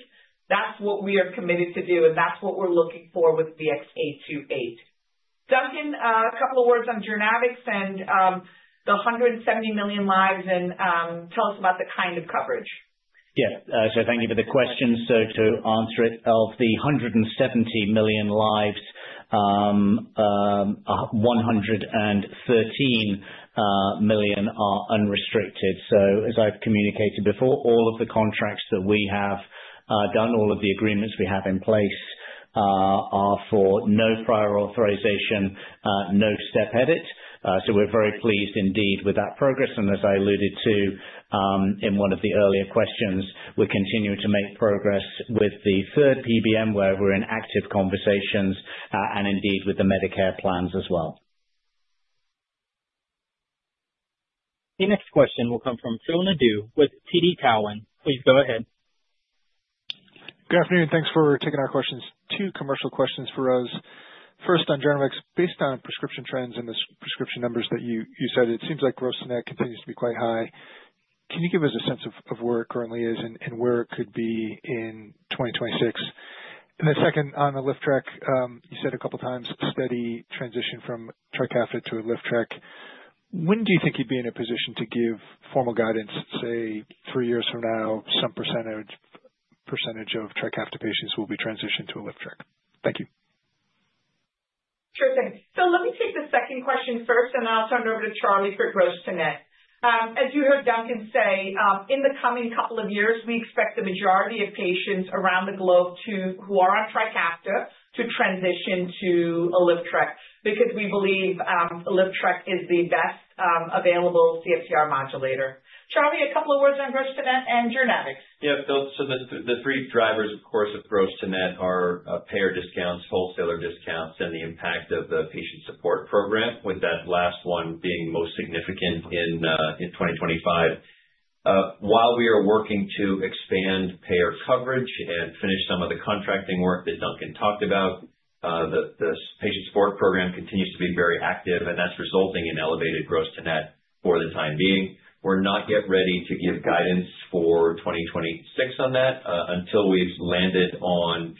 that's what we are committed to do, and that's what we're looking for with VX-828. Duncan, a couple of words on Journavx and the 170 million lives, and tell us about the kind of coverage. Yeah. So thank you for the question. So to answer it, of the 170 million lives, 113 million are unrestricted. So as I've communicated before, all of the contracts that we have done, all of the agreements we have in place are for no prior authorization, no step edit. So we're very pleased indeed with that progress. And as I alluded to in one of the earlier questions, we're continuing to make progress with the third PBM, where we're in active conversations, and indeed with the Medicare plans as well. The next question will come from Phil Nadeau with TD Cowen. Please go ahead. Good afternoon. Thanks for taking our questions. Two commercial questions for us. First, on Journavx, based on prescription trends and the prescription numbers that you said, it seems like gross-to-net continues to be quite high. Can you give us a sense of where it currently is and where it could be in 2026? And the second, on the ALYFTREK, you said a couple of times, steady transition from TRIKAFTA to ALYFTREK. When do you think you'd be in a position to give formal guidance, say, three years from now, some percentage of TRIKAFTA patients will be transitioned to ALYFTREK? Thank you. Sure thing. So let me take the second question first, and then I'll turn it over to Charlie for gross-to-net. As you heard Duncan say, in the coming couple of years, we expect the majority of patients around the globe who are on TRIKAFTA to transition to ALYFTREK because we believe ALYFTREK is the best available CFTR modulator. Charlie, a couple of words on gross-to-net and Journavx. Yeah. So the three drivers, of course, of gross-to-net are payer discounts, wholesaler discounts, and the impact of the patient support program, with that last one being most significant in 2025. While we are working to expand payer coverage and finish some of the contracting work that Duncan talked about, the patient support program continues to be very active, and that's resulting in elevated gross-to-net for the time being. We're not yet ready to give guidance for 2026 on that until we've landed on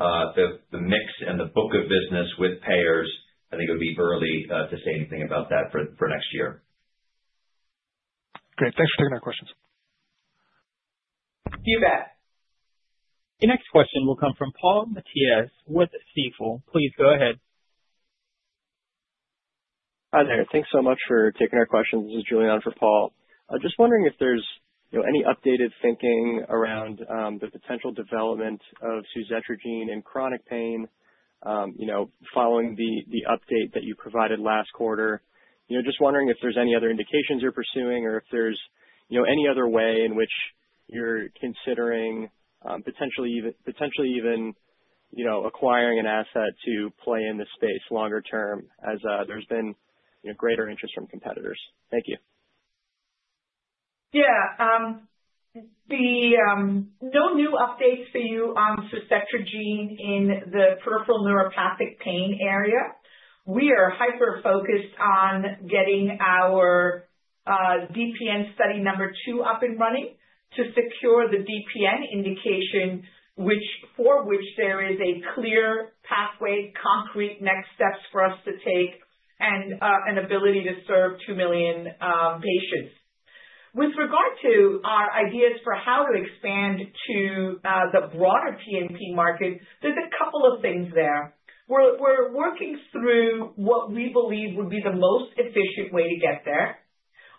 the mix and the book of business with payers. I think it would be early to say anything about that for next year. Great. Thanks for taking our questions. You bet. The next question will come from Paul Matteis with Stifel. Please go ahead. Hi there. Thanks so much for taking our questions. This is Julian for Paul. Just wondering if there's any updated thinking around the potential development of suzetrigine in chronic pain following the update that you provided last quarter. Just wondering if there's any other indications you're pursuing or if there's any other way in which you're considering potentially even acquiring an asset to play in the space longer term as there's been greater interest from competitors. Thank you. Yeah. No new updates for you on suzetrigine in the peripheral neuropathic pain area. We are hyper-focused on getting our DPN study number two up and running to secure the DPN indication, for which there is a clear pathway, concrete next steps for us to take, and an ability to serve 2 million patients. With regard to our ideas for how to expand to the broader PNP market, there's a couple of things there. We're working through what we believe would be the most efficient way to get there.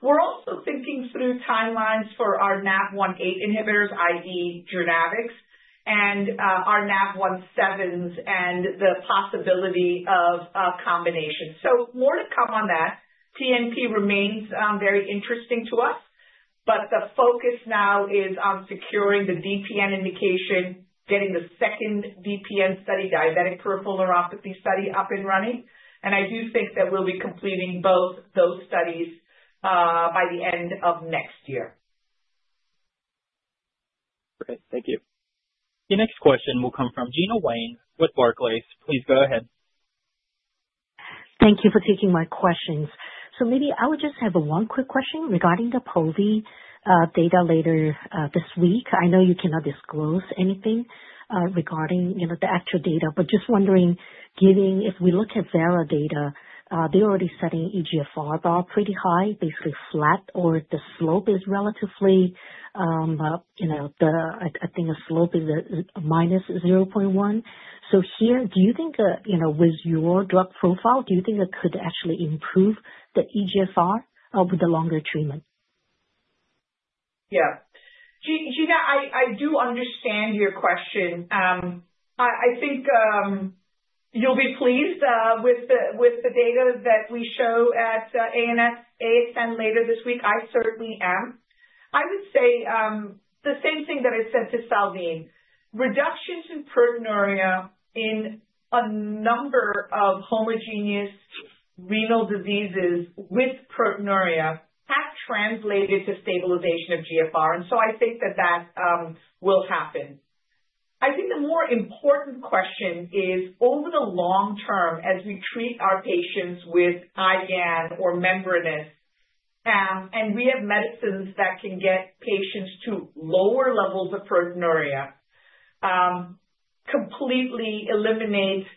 We're also thinking through timelines for our NaV1.8 inhibitors, i.e., Journavx, and our NaV1.7s, and the possibility of a combination. So more to come on that. PNP remains very interesting to us, but the focus now is on securing the DPN indication, getting the second DPN study, diabetic peripheral neuropathy study, up and running. And I do think that we'll be completing both those studies by the end of next year. Great. Thank you. The next question will come from Gena Wang with Barclays. Please go ahead. Thank you for taking my questions. So maybe I would just have one quick question regarding the Pove data later this week. I know you cannot disclose anything regarding the actual data, but just wondering, if we look at Vera data, they're already setting eGFR bar pretty high, basically flat, or the slope is relatively, I think the slope is minus 0.1. So here, do you think with your drug profile, do you think it could actually improve the eGFR with the longer treatment? Yeah. Gina, I do understand your question. I think you'll be pleased with the data that we show at ASN later this week. I certainly am. I would say the same thing that I said to Salveen. Reductions in proteinuria in a number of homogeneous renal diseases with proteinuria have translated to stabilization of GFR. And so I think that that will happen. I think the more important question is, over the long term, as we treat our patients with IgAN or membranous, and we have medicines that can get patients to lower levels of proteinuria, completely eliminate,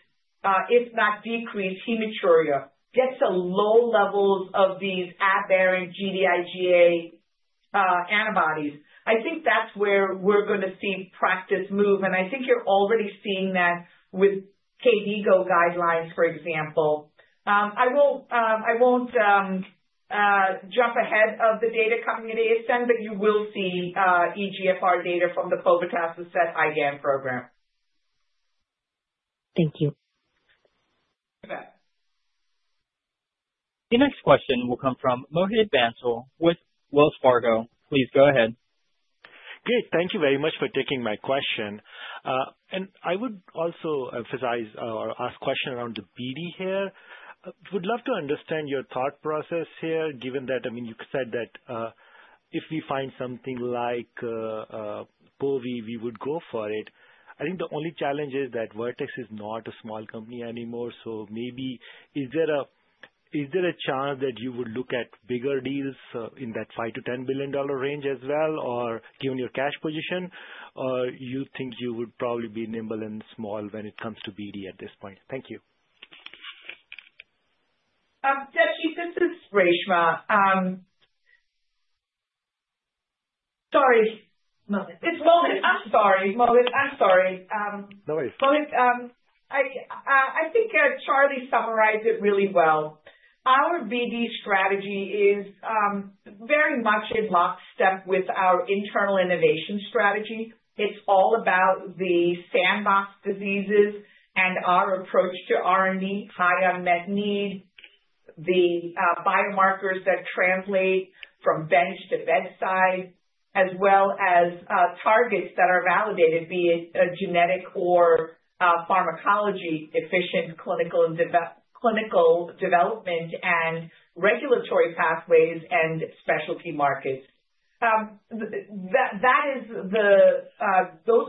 if not decrease, hematuria, get to low levels of these aberrant Gd-IgA1 antibodies. I think that's where we're going to see practice move. And I think you're already seeing that with KDIGO guidelines, for example. I won't jump ahead of the data coming at ASN, but you will see eGFR data from the povetacicept IgAN program. Thank you. You bet. The next question will come from Mohit Bansal with Wells Fargo. Please go ahead. Great. Thank you very much for taking my question. And I would also emphasize or ask a question around the BD here. We'd love to understand your thought process here, given that, I mean, you said that if we find something like Pove, we would go for it. I think the only challenge is that Vertex is not a small company anymore. So maybe, is there a chance that you would look at bigger deals in that $5 to 10 billion range as well, or given your cash position, or you think you would probably be nimble and small when it comes to BD at this point? Thank you. Deci, this is Reshma. Sorry. It's Mohit. I'm sorry. Mohit, I'm sorry. No worries. Mohit, I think Charlie summarized it really well. Our BD strategy is very much in lockstep with our internal innovation strategy. It's all about the sandbox diseases and our approach to R&D, high unmet need, the biomarkers that translate from bench to bedside, as well as targets that are validated, be it genetic or pharmacology-efficient clinical development and regulatory pathways and specialty markets. Those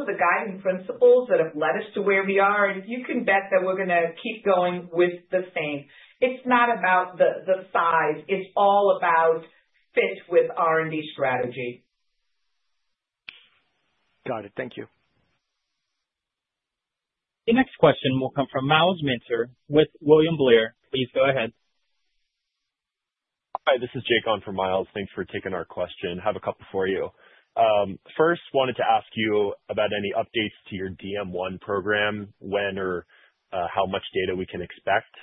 are the guiding principles that have led us to where we are, and you can bet that we're going to keep going with the same. It's not about the size. It's all about fit with R&D strategy. Got it. Thank you. The next question will come from Myles Minter with William Blair. Please go ahead. Hi. This is Jake on for Miles. Thanks for taking our question. I have a couple for you. First, wanted to ask you about any updates to your DM1 program, when or how much data we can expect,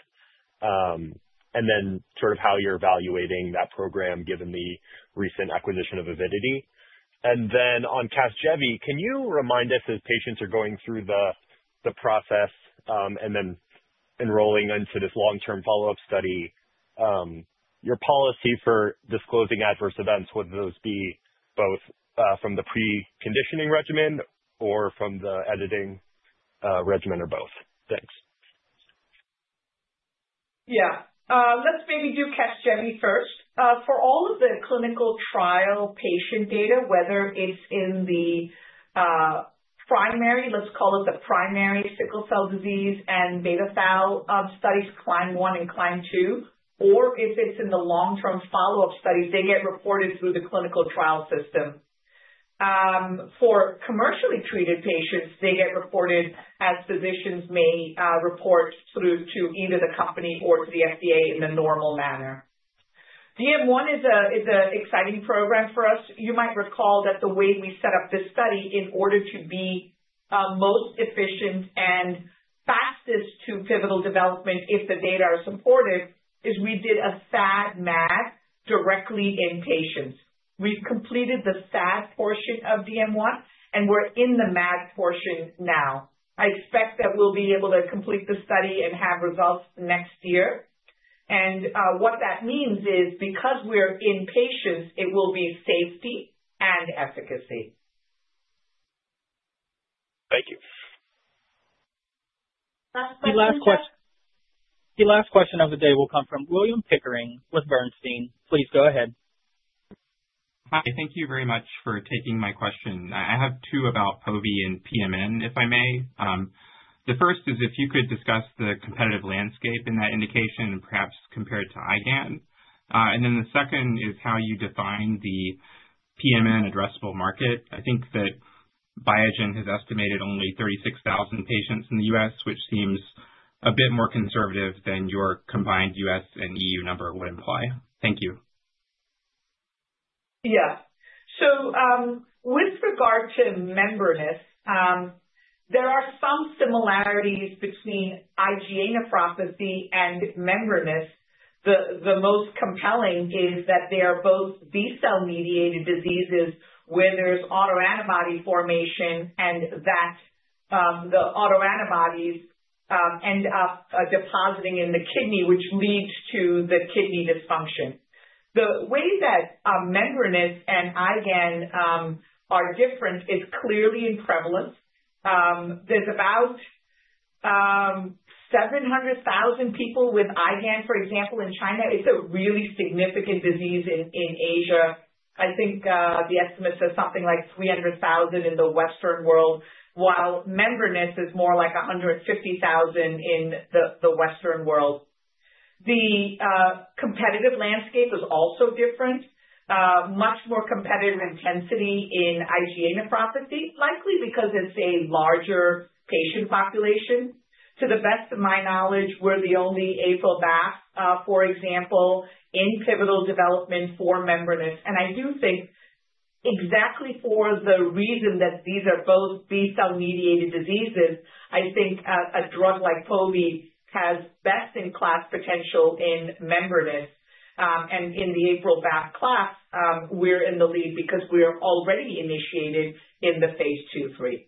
and then sort of how you're evaluating that program given the recent acquisition of Avidity, and then on CASGEVY, can you remind us, as patients are going through the process and then enrolling into this long-term follow-up study, your policy for disclosing adverse events, whether those be both from the preconditioning regimen or from the editing regimen or both? Thanks. Yeah. Let's maybe do CASGEVY first. For all of the clinical trial patient data, whether it's in the primary, let's call it the primary sickle cell disease and Beta-thal studies, CLIMB-121 and CLIMB-131, or if it's in the long-term follow-up studies, they get reported through the clinical trial system. For commercially treated patients, they get reported as physicians may report through to either the company or to the FDA in a normal manner. DM1 is an exciting program for us. You might recall that the way we set up this study in order to be most efficient and fastest to pivotal development, if the data are supportive, is we did a SAD/MAD directly in patients. We've completed the SAD portion of DM1, and we're in the MAD portion now. I expect that we'll be able to complete the study and have results next year. And what that means is, because we're in patients, it will be safety and efficacy. Thank you. The last question of the day will come from William Pickering with Bernstein. Please go ahead. Hi. Thank you very much for taking my question. I have two about Pove and PMN, if I may. The first is if you could discuss the competitive landscape in that indication and perhaps compare it to IgAN, and then the second is how you define the PMN addressable market. I think that Biogen has estimated only 36,000 patients in the US, which seems a bit more conservative than your combined U.S. and EU number would imply. Thank you. Yeah, so with regard to membranous, there are some similarities between IgA nephropathy and membranous. The most compelling is that they are both B-cell mediated diseases where there's autoantibody formation and that the autoantibodies end up depositing in the kidney, which leads to the kidney dysfunction. The way that membranous and IgAN are different is clearly in prevalence. There's about 700,000 people with IgAN, for example, in China. It's a really significant disease in Asia. I think the estimate says something like 300,000 in the Western world, while membranous is more like 150,000 in the Western world. The competitive landscape is also different. Much more competitive intensity in IgA nephropathy, likely because it's a larger patient population. To the best of my knowledge, we're the only APRIL/BAFF, for example, in pivotal development for membranous. And I do think exactly for the reason that these are both B-cell mediated diseases, I think a drug like Pove has best-in-class potential in membranous. And in the APRIL/BAFF class, we're in the lead because we're already initiated in the phase II/III.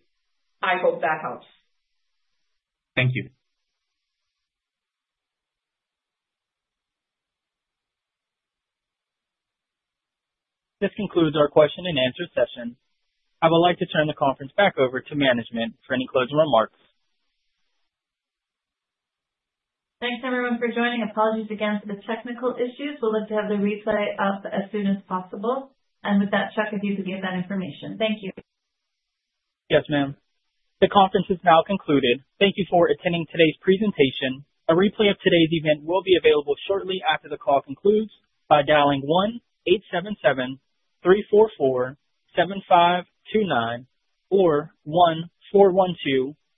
I hope that helps. Thank you. This concludes our Q&A session. I would like to turn the conference back over to management for any closing remarks. Thanks, everyone, for joining. Apologies again for the technical issues. We'll have to have the replay up as soon as possible and with that, Chuck, if you could give that information. Thank you. Yes, ma'am. The conference is now concluded. Thank you for attending today's presentation. A replay of today's event will be available shortly after the call concludes by dialing 1-877-344-7529 or 1-412.